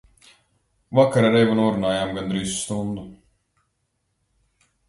Vakar ar Evu norunājām gandrīz stundu.